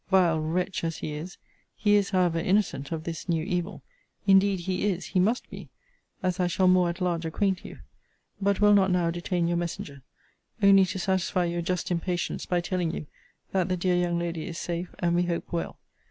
Vile wretch, as he is, he is however innocent of this new evil. Indeed he is, he must be; as I shall more at large acquaint you. But will not now detain your messenger. Only to satisfy your just impatience, by telling you, that the dear young lady is safe, and we hope well.